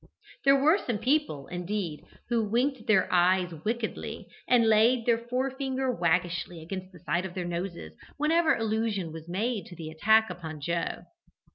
There were some people, indeed, who winked their eyes wickedly, and laid their fore finger waggishly against the side of their noses whenever allusion was made to the attack upon Uncle Joe.